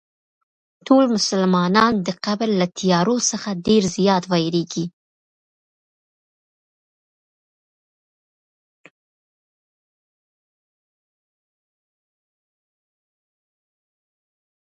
ټول مسلمانان د قبر له تیارو څخه ډېر زیات وېرېږي.